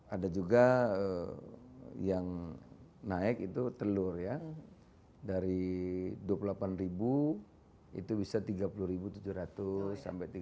ada juga yang naik itu telur ya dari rp dua puluh delapan itu bisa tiga puluh tujuh ratus sampai tiga puluh